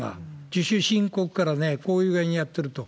自主申告からこういう具合にやってると。